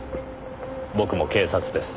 僕も警察です。